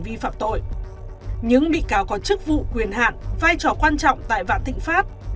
vi phạm tội những bị cáo có chức vụ quyền hạn vai trò quan trọng tại vạn thịnh pháp